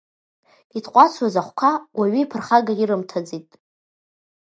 Итҟәацуаз ахқәа уаҩы ԥырхага ирымҭаӡеит.